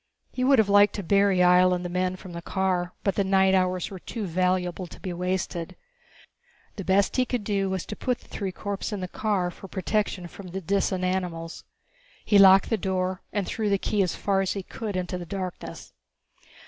He would have liked to bury Ihjel and the men from the car, but the night hours were too valuable to be wasted. The best he could do was put the three corpses in the car, for protection from the Disan animals. He locked the door and threw the key as far as he could into the blackness.